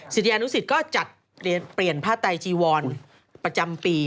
ศิษยานุสิตก็จัดเปลี่ยนผ้าไตจีวรประจำปี